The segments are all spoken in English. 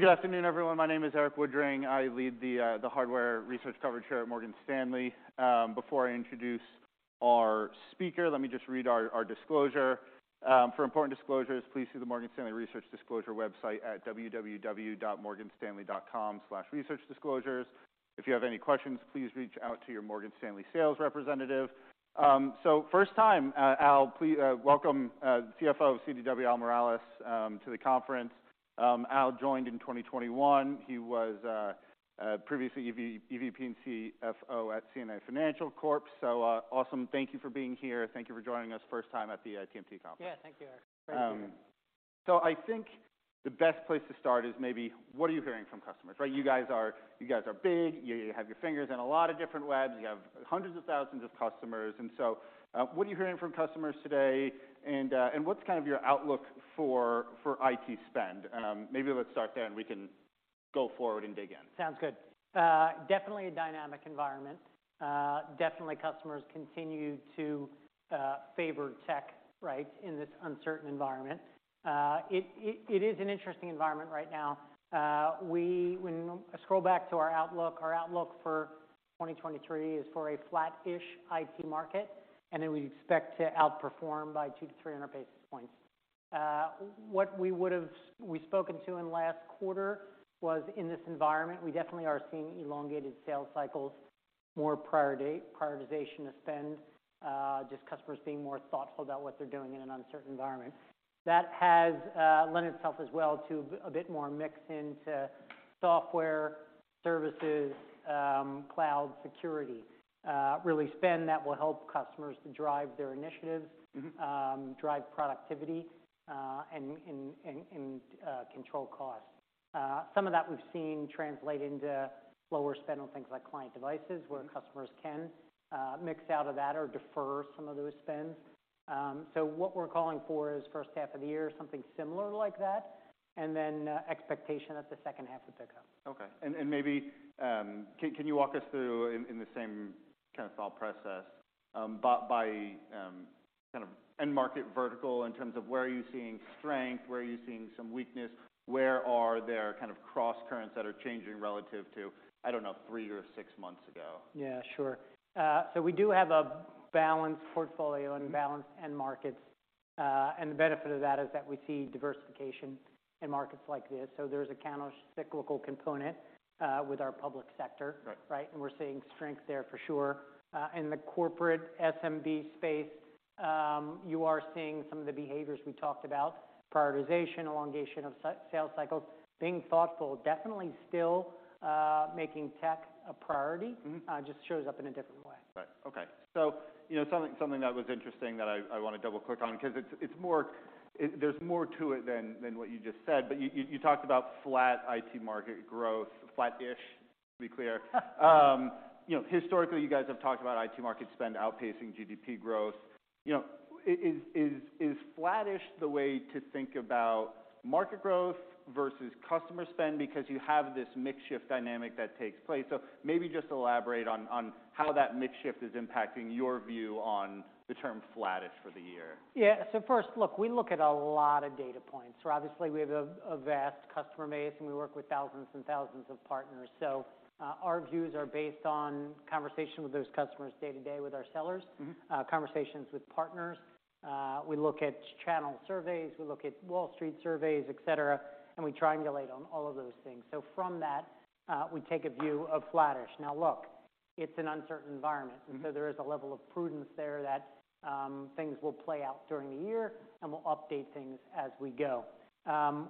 Good afternoon, everyone. My name is Erik Woodring. I lead the hardware research coverage here at Morgan Stanley. Before I introduce our speaker, let me just read our disclosure. For important disclosures, please see the Morgan Stanley research disclosure website at www.morganstanley.com/researchdisclosures. If you have any questions, please reach out to your Morgan Stanley sales representative. First time, Al, welcome, CFO of CDW, Al Miralles, to the conference. Al joined in 2021. He was previously EVP and CFO at CNA Financial Corp. Awesome. Thank you for being here. Thank you for joining us first time at the TMT conference. Yeah. Thank you, Erik. Thank you. I think the best place to start is maybe what are you hearing from customers, right? You guys are big, you have your fingers in a lot of different webs. You have hundreds of thousands of customers. What are you hearing from customers today and what's kind of your outlook for IT spend? Maybe let's start there and we can go forward and dig in. Sounds good. Definitely a dynamic environment. Definitely customers continue to favored tech, right? In this uncertain environment. It is an interesting environment right now. When scroll back to our outlook, our outlook for 2023 is for a flat-ish IT market. We expect to outperform by 200-300 basis points. What we've spoken to in last quarter was in this environment, we definitely are seeing elongated sales cycles, more prioritization of spend, just customers being more thoughtful about what they're doing in an uncertain environment. That has lent itself as well to a bit more mix into software services, cloud security. Really spend that will help customers to drive their initiatives- Mm-hmm ...drive productivity, and control costs. Some of that we've seen translate into lower spend on things like client devices. Mm-hmm where customers can mix out of that or defer some of those spends. What we're calling for is first half of the year, something similar like that, expectation that the second half would pick up. Okay. Maybe, can you walk us through in the same kind of thought process, by kind of end market vertical in terms of where are you seeing strength? Where are you seeing some weakness? Where are there kind of crosscurrents that are changing relative to, I don't know, three or six months ago? Yeah, sure. We do have a balanced portfolio and balanced end markets. The benefit of that is that we see diversification in markets like this. There's a counter cyclical component, with our public sector. Right. Right? We're seeing strength there for sure. In the corporate SMB space, you are seeing some of the behaviors we talked about, prioritization, elongation of sales cycles, being thoughtful, definitely still, making tech a priority. Mm-hmm. just shows up in a different way. Righ, okay. You know, something that was interesting that I wanna double-click on because it's, there's more to it than what you just said. You, you talked about flat IT market growth, flat-ish, to be clear. You know, historically, you guys have talked about IT market spend outpacing GDP growth. You know, is flat-ish the way to think about market growth versus customer spend because you have this mix shift dynamic that takes place, so maybe just elaborate on how that mix shift is impacting your view on the term flat-ish for the year. Yeah. First, look, we look at a lot of data points. Obviously, we have a vast customer base, and we work with thousands and thousands of partners. Our views are based on conversation with those customers day-to-day with our sellers. Mm-hmm. Conversations with partners. We look at channel surveys, we look at Wall Street surveys, etc. We triangulate on all of those things. From that, we take a view of flattish. Look, it's an uncertain environment. Mm-hmm. There is a level of prudence there that, things will play out during the year, and we'll update things as we go.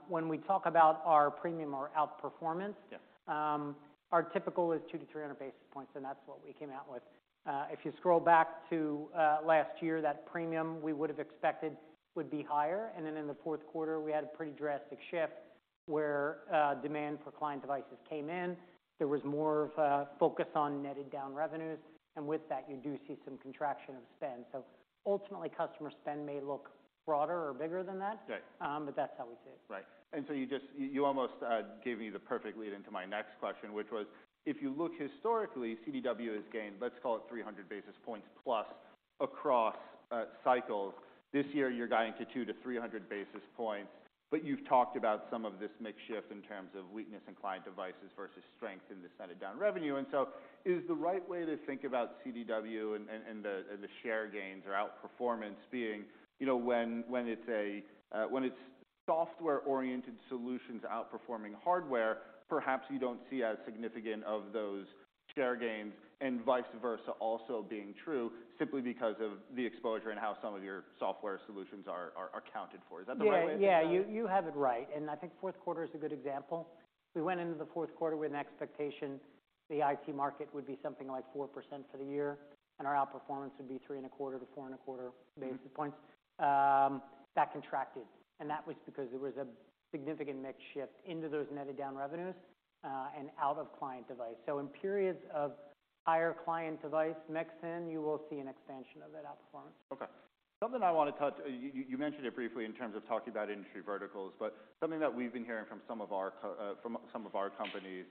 When we talk about our premium or outperformance. Yeah Our typical is 200-300 basis points. That's what we came out with. If you scroll back to last year, that premium we would've expected would be higher. In the fourth quarter, we had a pretty drastic shift where demand for client devices came in. There was more of a focus on netted down revenues. With that, you do see some contraction of spend. Ultimately, customer spend may look broader or bigger than that. Right. That's how we see it. Right. You almost gave me the perfect lead into my next question, which was, if you look historically, CDW has gained, let's call it 300 basis points plus across cycles. This year, you're guiding to 200-300 basis points, but you've talked about some of this mix shift in terms of weakness in client devices versus strength in this netted down revenue. Is the right way to think about CDW and the share gains or outperformance being, you know, when it's a, when it's software-oriented solutions outperforming hardware, perhaps you don't see as significant of those share gains and vice versa also being true simply because of the exposure and how some of your software solutions are accounted for. Is that the right way of thinking about it? Yeah. You, you have it right, and I think fourth quarter is a good example. We went into the fourth quarter with an expectation the IT market would be something like 4% for the year, and our outperformance would be 3.25-4.25 basis points. That contracted, and that was because there was a significant mix shift into those netted down revenues, and out of client device. In periods of higher client device mix in, you will see an expansion of that outperformance. Okay. Something I wanna touch. You mentioned it briefly in terms of talking about industry verticals, but something that we've been hearing from some of our companies,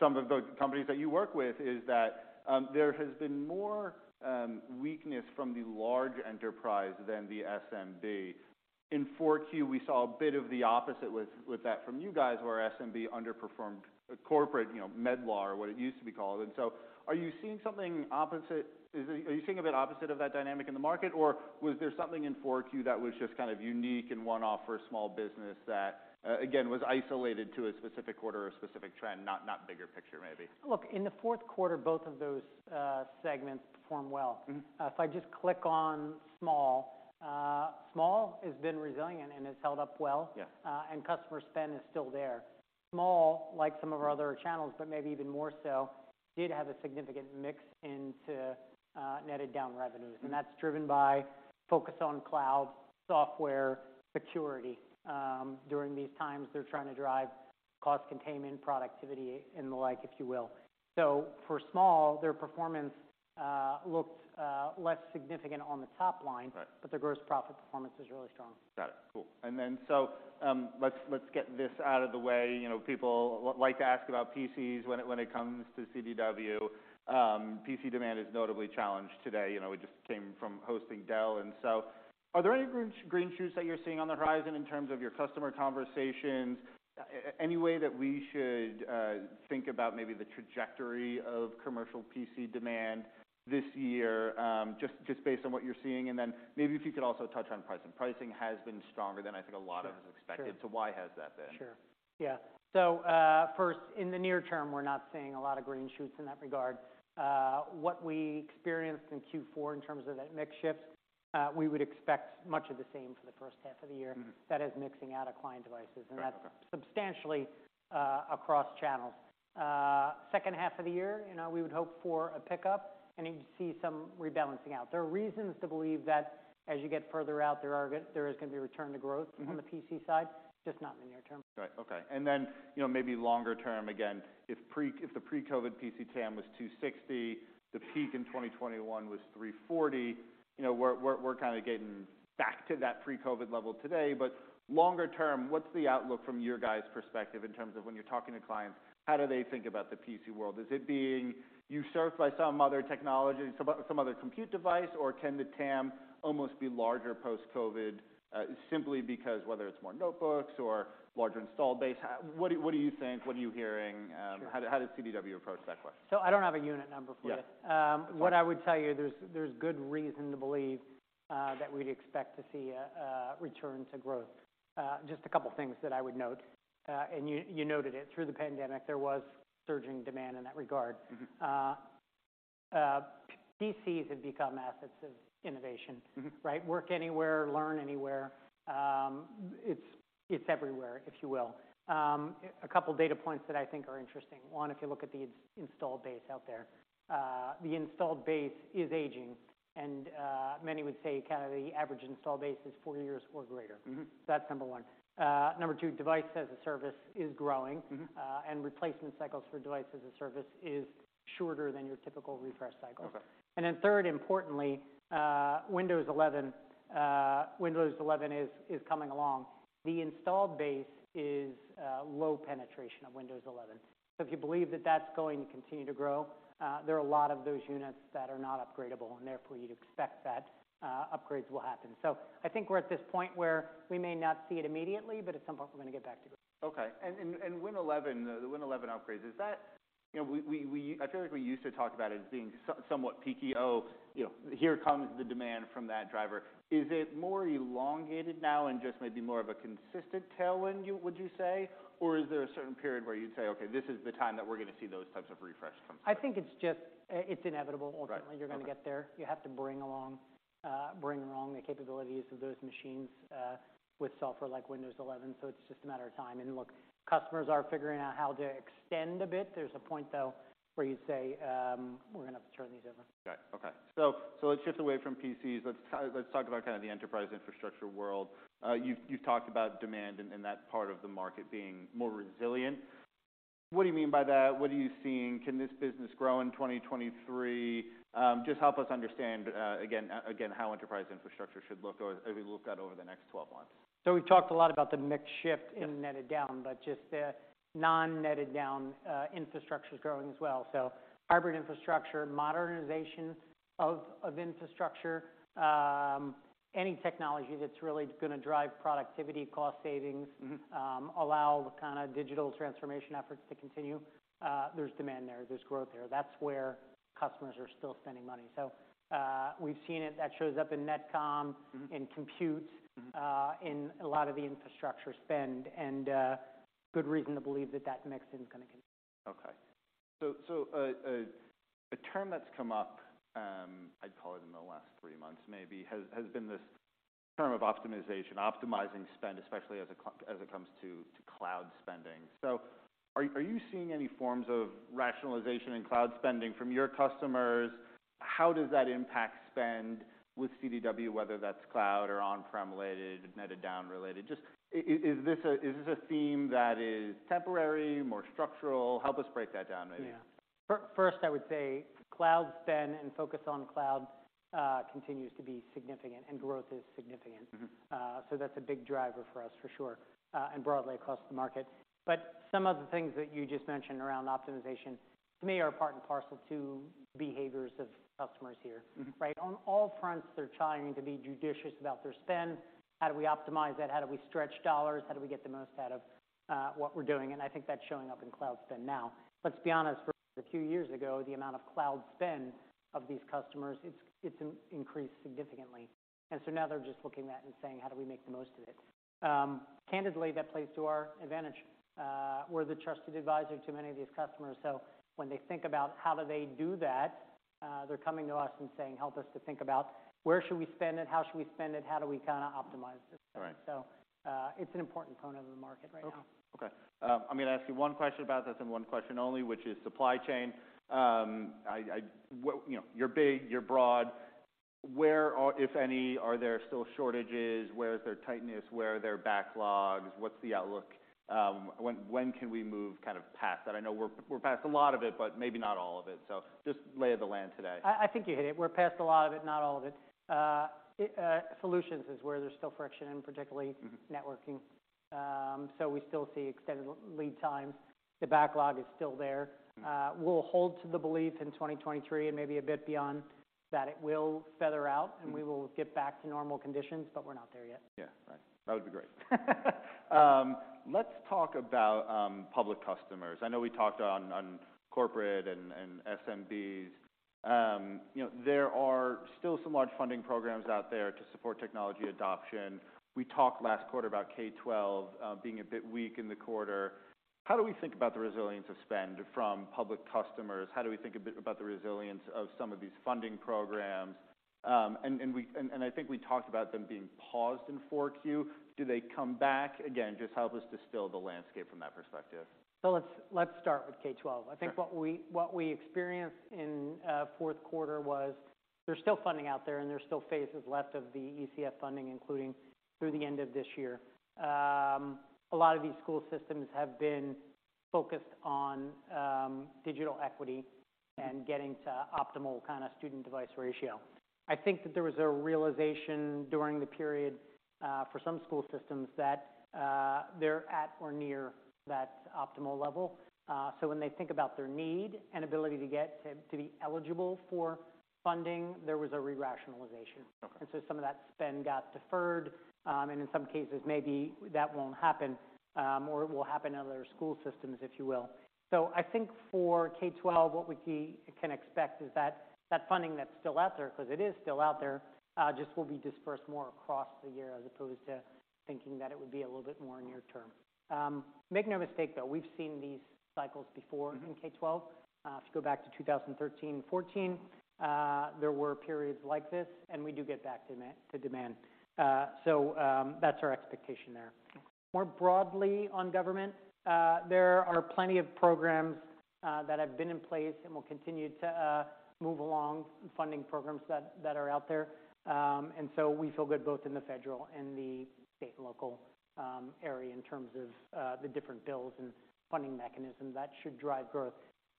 some of the companies that you work with, is that there has been more weakness from the large enterprise than the SMB. In 4Q, we saw a bit of the opposite with that from you guys where SMB underperformed corporate, you know, Medlar, what it used to be called. Are you seeing something opposite? Are you seeing a bit opposite of that dynamic in the market, or was there something in 4Q that was just kind of unique and one-off for a small business that again, was isolated to a specific order or specific trend, not bigger picture, maybe? Look, in the fourth quarter, both of those, segments performed well. Mm-hmm. If I just click on small has been resilient and has held up well. Yeah. Customer spend is still there. Small, like some of our other channels, but maybe even more so, did have a significant mix into netted down revenues. Mm-hmm. That's driven by focus on cloud software security. During these times, they're trying to drive cost containment, productivity and the like, if you will. For small, their performance looked less significant on the top line. Right. Their gross profit performance is really strong. Got it, cool. Let's get this out of the way. You know, people like to ask about PCs when it comes to CDW. PC demand is notably challenged today. You know, we just came from hosting Dell, are there any green shoots that you're seeing on the horizon in terms of your customer conversations? Any way that we should think about maybe the trajectory of commercial PC demand this year, just based on what you're seeing? Maybe if you could also touch on pricing. Pricing has been stronger than I think a lot of us expected. Sure. Sure. Why has that been? Sure. Yeah. First, in the near term, we're not seeing a lot of green shoots in that regard. What we experienced in Q4 in terms of that mix shift, we would expect much of the same for the first half of the year. Mm-hmm. That is mixing out of client devices. Got it. That's substantially, across channels. Second half of the year, you know, we would hope for a pickup, and you'd see some rebalancing out. There are reasons to believe that as you get further out, there is gonna be return to growth. Mm-hmm. on the PC side, just not in the near term. Right. Okay. You know, maybe longer term, again, if the pre-COVID PC TAM was 260, the peak in 2021 was 340, you know, we're kinda getting back to that pre-COVID level today. Longer term, what's the outlook from your guys' perspective in terms of when you're talking to clients, how do they think about the PC world? Is it being usurped by some other technology, some other compute device, or can the TAM almost be larger post-COVID, simply because whether it's more notebooks or larger install base? What do you think? What are you hearing? Sure. How does CDW approach that question? I don't have a unit number for you. Yeah. Um- It's fine. What I would tell you, there's good reason to believe that we'd expect to see a return to growth. Just a couple things that I would note, and you noted it, through the pandemic, there was surging demand in that regard. Mm-hmm. PCs have become assets of innovation. Mm-hmm. Right? Work anywhere, learn anywhere. It's, it's everywhere, if you will. A couple data points that I think are interesting. One, if you look at the installed base out there, the installed base is aging, and many would say kind of the average install base is four years or greater. Mm-hmm. That's number one. number two, Device as a Service is growing. Mm-hmm. Replacement cycles for Device as a Service is shorter than your typical refresh cycles. Okay. Third importantly, Windows 11, Windows 11 is coming along. The installed base is low penetration of Windows 11. If you believe that that's going to continue to grow, there are a lot of those units that are not upgradable, and therefore, you'd expect that upgrades will happen. I think we're at this point where we may not see it immediately, but at some point, we're gonna get back to growth. Okay. Win 11, the Win 11 upgrades, is that, you know, I feel like we used to talk about it as being somewhat peaky. Oh, you know, here comes the demand from that driver. Is it more elongated now and just maybe more of a consistent tailwind, would you say? Or is there a certain period where you'd say, "Okay, this is the time that we're gonna see those types of refresh from? I think it's just. It's inevitable. Right. Okay. Ultimately, you're gonna get there. You have to bring along, bring along the capabilities of those machines, with software like Windows 11, so it's just a matter of time. Look, customers are figuring out how to extend a bit. There's a point, though, where you say, "We're gonna have to turn these over. Got it. Okay. Let's shift away from PCs. Let's talk about kinda the enterprise infrastructure world. You've talked about demand in that part of the market being more resilient. What do you mean by that? What are you seeing? Can this business grow in 2023? Just help us understand again how enterprise infrastructure should look or be looked at over the next 12 months. We've talked a lot about the mix shift- Yeah. -in netted down, but just the non-netted down, infrastructure's growing as well. Hybrid infrastructure, modernization of infrastructure, any technology that's really gonna drive productivity, cost savings. Mm-hmm. allow the kinda digital transformation efforts to continue, there's demand there's growth there. That's where customers are still spending money. We've seen it. That shows up in NetComm. Mm-hmm. in compute Mm-hmm. in a lot of the infrastructure spend, and good reason to believe that that mix is gonna continue. Okay. A term that's come up, I'd call it in the last three months maybe, has been this term of optimization, optimizing spend, especially as it comes to cloud spending. Are you seeing any forms of rationalization in cloud spending from your customers? How does that impact spend with CDW, whether that's cloud or on-prem related, netted down related? Is this a theme that is temporary, more structural? Help us break that down maybe. First, I would say cloud spend and focus on cloud continues to be significant and growth is significant. Mm-hmm. That's a big driver for us for sure, and broadly across the market. Some of the things that you just mentioned around optimization to me are part and parcel to behaviors of customers here. Mm-hmm. Right? On all fronts, they're trying to be judicious about their spend. How do we optimize that? How do we stretch dollars? How do we get the most out of what we're doing? I think that's showing up in cloud spend now. Let's be honest, for a few years ago, the amount of cloud spend of these customers, it's increased significantly. Now they're just looking at that and saying, "How do we make the most of it?" Candidly, that plays to our advantage. We're the trusted advisor to many of these customers, so when they think about how do they do that, they're coming to us and saying, "Help us to think about where should we spend it, how should we spend it, how do we kind of optimize this? Right. It's an important component of the market right now. Okay. I'm gonna ask you one question about this and one question only, which is supply chain. Well, you know, you're big, you're broad. Where are, if any, are there still shortages? Where is there tightness? Where are there backlogs? What's the outlook? When can we move kind of past that? I know we're past a lot of it, but maybe not all of it. Just lay of the land today. I think you hit it. We're past a lot of it, not all of it. Solutions is where there's still friction in. Mm-hmm.... networking. We still see extended lead times. The backlog is still there. We'll hold to the belief in 2023 and maybe a bit beyond that it will feather out- Mm-hmm... and we will get back to normal conditions, but we're not there yet. Yeah. Right. That would be great. Let's talk about public customers. I know we talked on corporate and SMBs. You know, there are still some large funding programs out there to support technology adoption. We talked last quarter about K12 being a bit weak in the quarter. How do we think about the resilience of spend from public customers? How do we think a bit about the resilience of some of these funding programs? I think we talked about them being paused in 4Q. Do they come back? Again, just help us distill the landscape from that perspective. let's start with K12. Sure. I think what we experienced in fourth quarter was there's still funding out there, and there's still phases left of the ECF funding, including through the end of this year. A lot of these school systems have been focused on digital equity and getting to optimal kind of student-device ratio. I think that there was a realization during the period for some school systems that they're at or near that optimal level. When they think about their need and ability to be eligible for funding, there was a re-rationalization. Okay. Some of that spend got deferred, and in some cases, maybe that won't happen, or it will happen in other school systems, if you will. I think for K12, what we can expect is that funding that's still out there, 'cause it is still out there, just will be dispersed more across the year as opposed to thinking that it would be a little bit more near term. Make no mistake, though, we've seen these cycles before. Mm-hmm... in K12. If you go back to 2013, 2014, there were periods like this. We do get back to demand. That's our expectation there. Okay. More broadly on government, there are plenty of programs that have been in place and will continue to move along, funding programs that are out there. We feel good both in the federal and the state and local area in terms of the different bills and funding mechanisms. That should drive growth.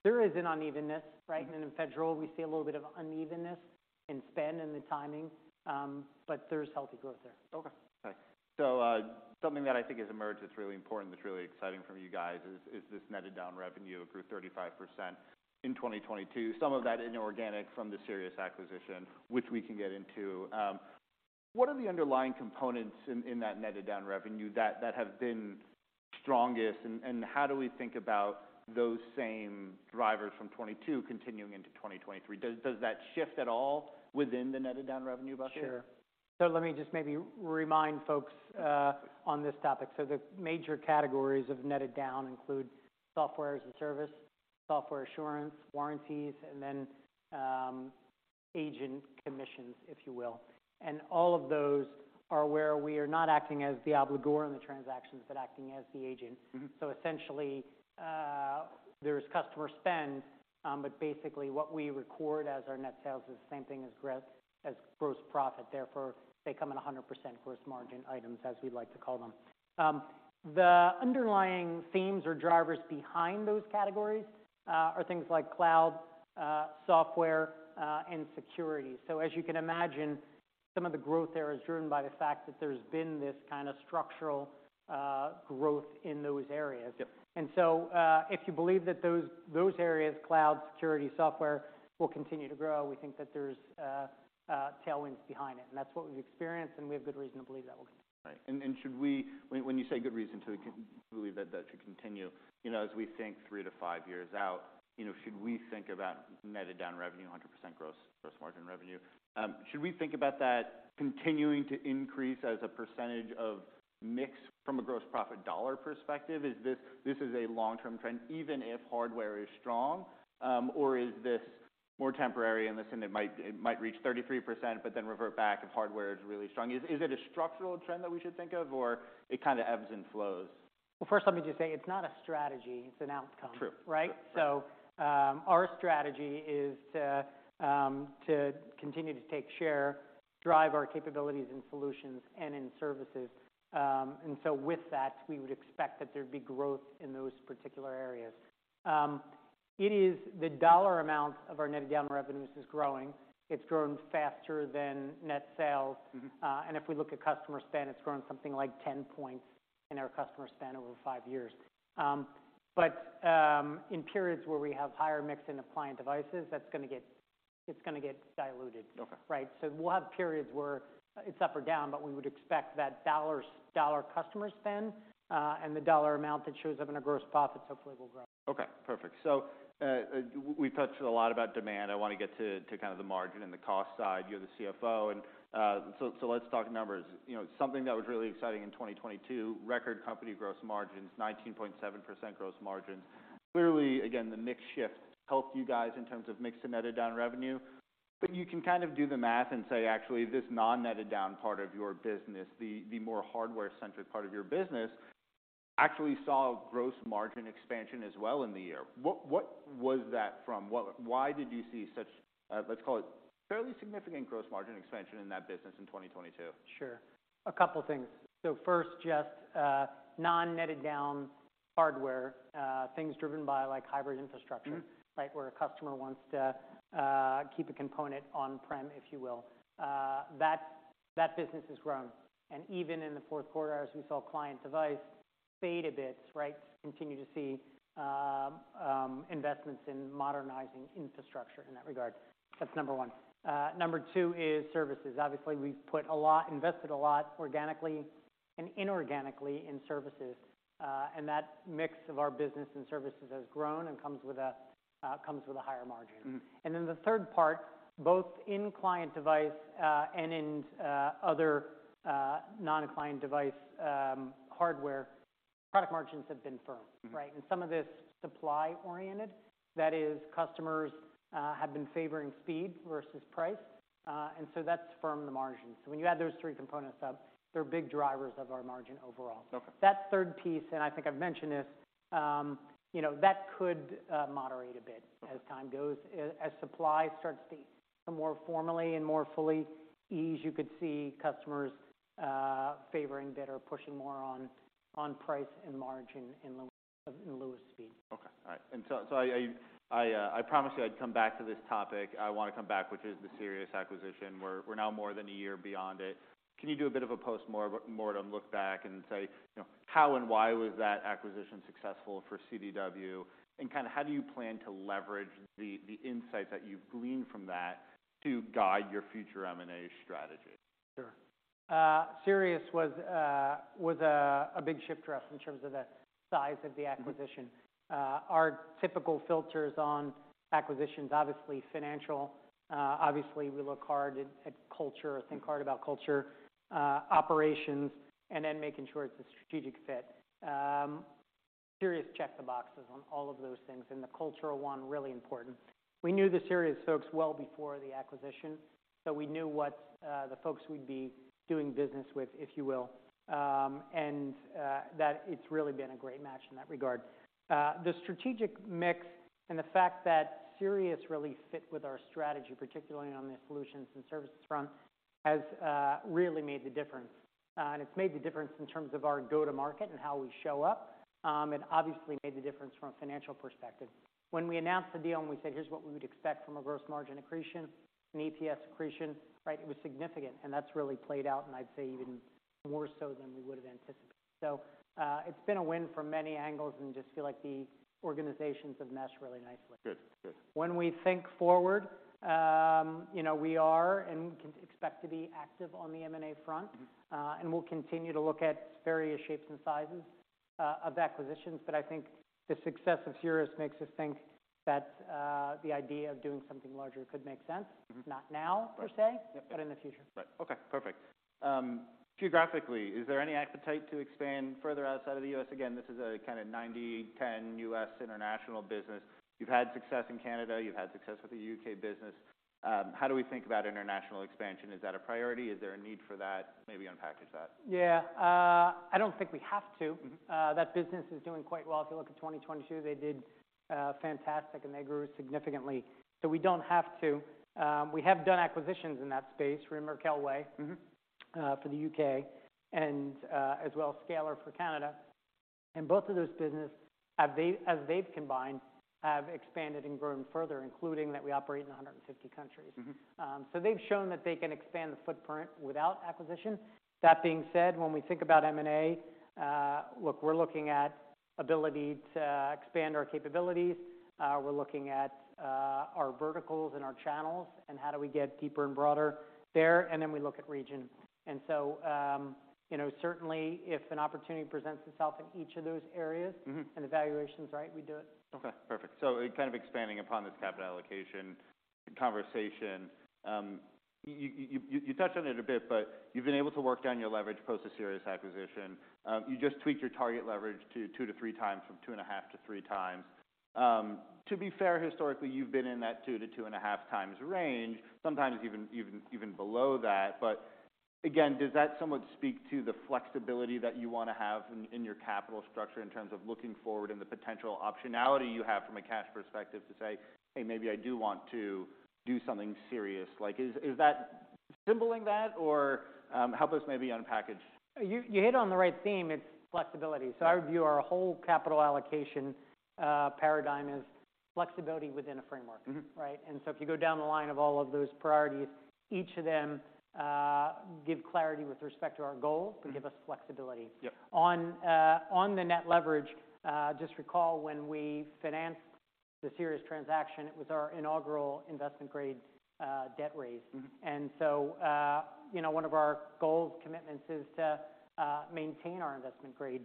There is an unevenness, right? Mm-hmm. In Federal, we see a little bit of unevenness in spend and the timing, but there's healthy growth there. Okay. Thanks. Something that I think has emerged that's really important, that's really exciting from you guys is this netted down revenue grew 35% in 2022. Some of that inorganic from the Sirius acquisition, which we can get into. What are the underlying components in that netted down revenue that have been strongest, and how do we think about those same drivers from 2022 continuing into 2023? Does that shift at all within the netted down revenue bucket? Sure. Let me just maybe remind folks, on this topic. The major categories of netted down include software as a service, software assurance, warranties, and then, agent commissions, if you will. All of those are where we are not acting as the obligor in the transactions, but acting as the agent. Mm-hmm. Essentially, there's customer spend, but basically what we record as our net sales is the same thing as gross profit. Therefore, they come at 100% gross margin items, as we like to call them. The underlying themes or drivers behind those categories are things like cloud, software, and security. As you can imagine, some of the growth there is driven by the fact that there's been this kinda structural growth in those areas. Yep. If you believe that those areas, cloud, security, software, will continue to grow, we think that there's tailwinds behind it, and that's what we've experienced, and we have good reason to believe that will continue. Right. When you say good reason to believe that that should continue, you know, as we think three to five years out, you know, should we think about netted down revenue, 100% gross margin revenue? Should we think about that continuing to increase as a percentage of mix from a gross profit dollar perspective? Is this a long-term trend, even if hardware is strong? Is this more temporary in the sense it might reach 33% but then revert back if hardware is really strong? Is it a structural trend that we should think of, or it kinda ebbs and flows? Well, first let me just say it's not a strategy, it's an outcome. True. Right? Our strategy is to continue to take share, drive our capabilities and solutions and in services. With that, we would expect that there'd be growth in those particular areas. It is the dollar amount of our netted down revenues is growing. It's growing faster than net sales. Mm-hmm. If we look at customer spend, it's grown something like 10 points in our customer spend over five years. In periods where we have higher mix in the client devices, it's gonna get diluted. Okay. Right? We'll have periods where it's up or down, but we would expect that dollar customer spend, and the dollar amount that shows up in our gross profits hopefully will grow. Okay, perfect. We touched a lot about demand. I wanna get to kind of the margin and the cost side. You're the CFO, and, so, let's talk numbers. You know, something that was really exciting in 2022, record company gross margins, 19.7% gross margins. Clearly, again, the mix shift helped you guys in terms of mix to netted down revenue. You can kind of do the math and say, actually, this non-netted down part of your business, the more hardware-centric part of your business, actually saw gross margin expansion as well in the year. What was that from? Why did you see such, let's call it fairly significant gross margin expansion in that business in 2022? Sure. A couple things. First, just non-netted down hardware, things driven by like hybrid infrastructure. Mm-hmm Right? Where a customer wants to keep a component on-prem, if you will. That business has grown. Even in the fourth quarter, as we saw client device fade a bit, right? Continue to see investments in modernizing infrastructure in that regard. That's number one. Number two is services. Obviously, we've invested a lot organically and inorganically in services, and that mix of our business and services has grown and comes with a higher margin. Mm-hmm. The third part, both in client device, and in other non-client device, hardware, product margins have been firm, right? Mm-hmm. Some of this supply-oriented, that is, customers, have been favoring speed versus price, and so that's from the margin. When you add those three components up, they're big drivers of our margin overall. Okay. That third piece, and I think I've mentioned this, you know, that could moderate a bit. Okay As time goes, as supply starts to more formally and more fully ease, you could see customers, favoring that or pushing more on price and margin in lieu of speed. Okay. All right. I promised you I'd come back to this topic. I wanna come back, which is the Sirius acquisition. We're now more than a year beyond it. Can you do a bit of a post-mortem look back and say, you know, how and why was that acquisition successful for CDW? Kinda, how do you plan to leverage the insights that you've gleaned from that to guide your future M&A strategy? Sure. Sirius was a big shift for us in terms of the size of the acquisition. Mm-hmm. Our typical filters on acquisitions, obviously financial, obviously we look hard at culture, think hard about culture, operations, making sure it's a strategic fit. Sirius checked the boxes on all of those things, the cultural one, really important. We knew the Sirius folks well before the acquisition, we knew what the folks we'd be doing business with, if you will, that it's really been a great match in that regard. The strategic mix and the fact that Sirius really fit with our strategy, particularly on the solutions and services front, has really made the difference. It's made the difference in terms of our go-to-market and how we show up, obviously made the difference from a financial perspective. When we announced the deal, and we said, "Here's what we would expect from a gross margin accretion, an EPS accretion," right, it was significant, and that's really played out, and I'd say even more so than we would have anticipated. It's been a win from many angles, and just feel like the organizations have meshed really nicely. Good. Good. When we think forward, you know, we are and can expect to be active on the M&A front. Mm-hmm. We'll continue to look at various shapes and sizes of acquisitions. I think the success of Sirius makes us think that the idea of doing something larger could make sense. Mm-hmm. Not now, per se. Yep... but in the future. Right. Okay, perfect. Geographically, is there any appetite to expand further outside of the U.S.? Again, this is a kinda 90/10 U.S. international business. You've had success in Canada, you've had success with the U.K. business. How do we think about international expansion? Is that a priority? Is there a need for that? Maybe unpackage that. Yeah. I don't think we have to. Mm-hmm. That business is doing quite well. If you look at 2022, they did fantastic, and they grew significantly. We don't have to. We have done acquisitions in that space, remember Kelway? Mm-hmm... For the U.K., and, as well as Scalar for Canada. Both of those business as they've combined, have expanded and grown further, including that we operate in 150 countries. Mm-hmm. They've shown that they can expand the footprint without acquisition. That being said, when we think about M&A, look, we're looking at ability to expand our capabilities. We're looking at, our verticals and our channels and how do we get deeper and broader there, we look at regions. you know, certainly if an opportunity presents itself in each of those areas. Mm-hmm... and the valuation's right, we do it. Okay, perfect. Kind of expanding upon this capital allocation conversation, you touched on it a bit, but you've been able to work down your leverage post the Sirius acquisition. You just tweaked your target leverage to 2-3x from 2.5-3x. To be fair, historically, you've been in that 2-2.5x range, sometimes even below that. Again, does that somewhat speak to the flexibility that you wanna have in your capital structure in terms of looking forward and the potential optionality you have from a cash perspective to say, "Hey, maybe I do want to do something serious"? Like is that symbolizing that or, help us maybe unpackage? You hit on the right theme, it's flexibility. Yeah. I view our whole capital allocation, paradigm is flexibility within a framework. Mm-hmm. Right? If you go down the line of all of those priorities, each of them, give clarity with respect to our goal. Mm-hmm but give us flexibility. Yeah. On, on the net leverage, just recall when we financed the Sirius transaction, it was our inaugural investment grade debt raise. Mm-hmm. You know, one of our goals, commitments is to maintain our investment grade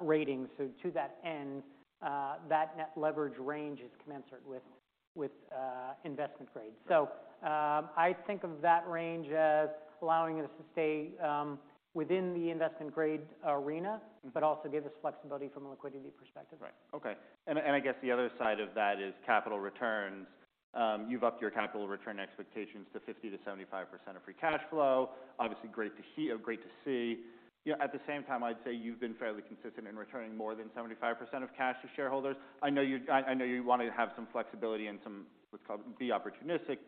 rating. To that end, that net leverage range is commensurate with investment grade. I think of that range as allowing us to stay within the investment grade arena. Mm-hmm ...but also give us flexibility from a liquidity perspective. Right. Okay. I guess the other side of that is capital returns. You've upped your capital return expectations to 50%-75% of free cash flow. Obviously, great to hear, great to see. You know, at the same time, I'd say you've been fairly consistent in returning more than 75% of cash to shareholders. I know you wanna have some flexibility and some, what's called, be opportunistic,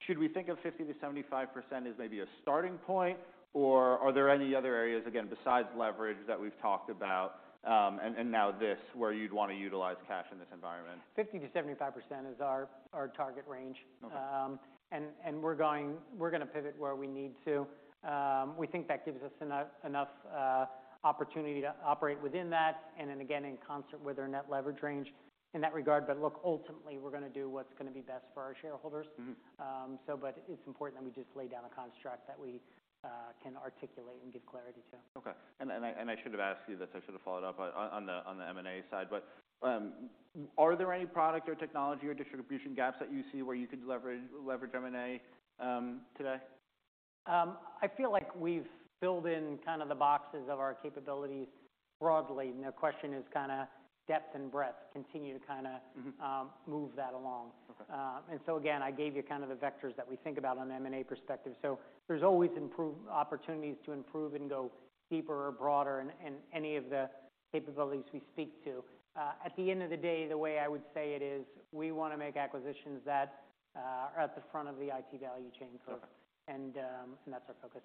should we think of 50%-75% as maybe a starting point, or are there any other areas, again, besides leverage that we've talked about, and now this, where you'd wanna utilize cash in this environment? 50%-75% is our target range. Okay. We're gonna pivot where we need to. We think that gives us enough opportunity to operate within that, and then again in concert with our net leverage range in that regard. Look, ultimately, we're gonna do what's gonna be best for our shareholders. Mm-hmm. But it's important that we just lay down a construct that we, can articulate and give clarity to. Okay. I should have asked you this. I should have followed up on the M&A side, are there any product or technology or distribution gaps that you see where you could leverage M&A today? I feel like we've filled in kind of the boxes of our capabilities broadly, the question is kinda depth and breadth, continue to. Mm-hmm ...move that along. Okay. Again, I gave you kind of the vectors that we think about on M&A perspective. There's always opportunities to improve and go deeper or broader in any of the capabilities we speak to. At the end of the day, the way I would say it is we wanna make acquisitions that are at the front of the IT value chain for us. Okay. That's our focus.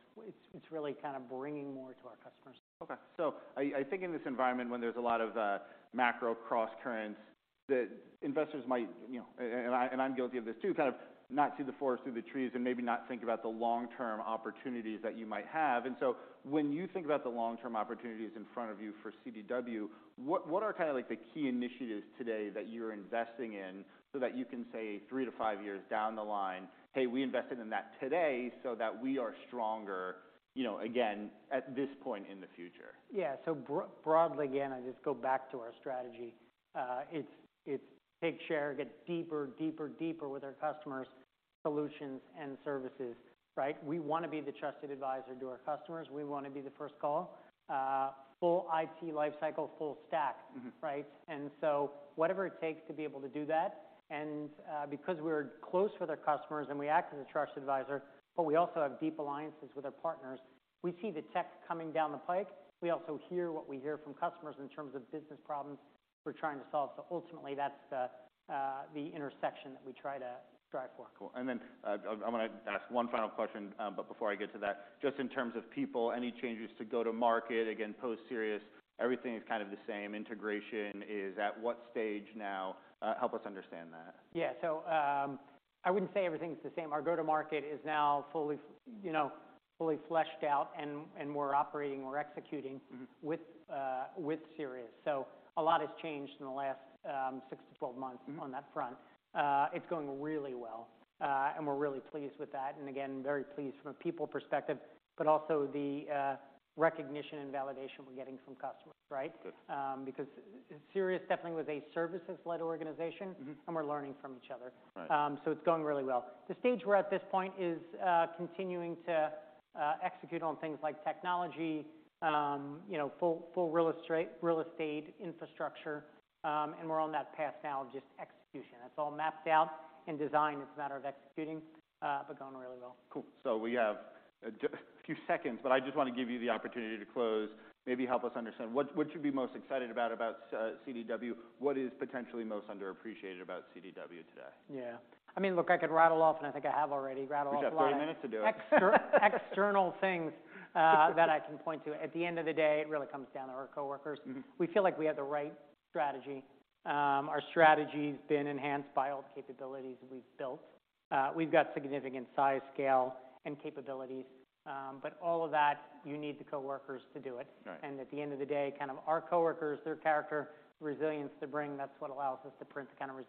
It's really kind of bringing more to our customers. I think in this environment when there's a lot of macro crosscurrents that investors might, you know, and I'm guilty of this too, kind of not see the forest through the trees and maybe not think about the long-term opportunities that you might have. When you think about the long-term opportunities in front of you for CDW, what are kinda like the key initiatives today that you're investing in so that you can say three to five years down the line, "Hey, we invested in that today so that we are stronger," you know, again, at this point in the future? Yeah. Broadly, again, I just go back to our strategy. It's take share, get deeper with our customers, solutions and services, right? We wanna be the trusted advisor to our customers. We wanna be the first call. Full IT life cycle, full stack. Mm-hmm. Right? Whatever it takes to be able to do that. Because we're close with our customers and we act as a trusted advisor, but we also have deep alliances with our partners, we see the tech coming down the pike. We also hear what we hear from customers in terms of business problems we're trying to solve. Ultimately, that's the intersection that we try to strive for. Cool. I wanna ask one final question, but before I get to that, just in terms of people, any changes to go-to-market? Again, post Sirius, everything is kind of the same. Integration is at what stage now? Help us understand that. Yeah. I wouldn't say everything's the same. Our go-to-market is now fully, you know, fully fleshed out and we're operating, we're executing. Mm-hmm ...with Sirius. A lot has changed in the last six-12 months. Mm-hmm ...on that front. It's going really well, and we're really pleased with that. Again, very pleased from a people perspective, but also the recognition and validation we're getting from customers, right? Good. Because Sirius definitely was a services-led organization. Mm-hmm. We're learning from each other. Right. It's going really well. The stage we're at this point is continuing to execute on things like technology, you know, full real estate infrastructure, we're on that path now of just execution. It's all mapped out. In design, it's a matter of executing, going really well. Cool. We have a few seconds, I just wanna give you the opportunity to close. Maybe help us understand, what should be most excited about CDW? What is potentially most underappreciated about CDW today? Yeah. I mean, look, I could rattle off, and I think I have already rattled off a lot. You've got 30 minutes to do it. External things, that I can point to. At the end of the day, it really comes down to our coworkers. Mm-hmm. We feel like we have the right strategy. Our strategy's been enhanced by all the capabilities we've built. We've got significant size, scale and capabilities. All of that, you need the coworkers to do it. Right. At the end of the day, kind of our coworkers, their character, resilience they bring, that's what allows us to print the kind of result.